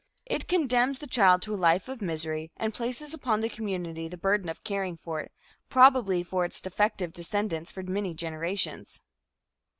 It condemns the child to a life of misery and places upon the community the burden of caring for it, probably for its defective descendants for many generations.